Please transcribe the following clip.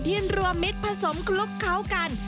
ที่รวมมิตรผสมคลุกเขากัน